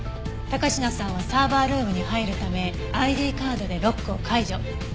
高階さんはサーバールームに入るためＩＤカードでロックを解除。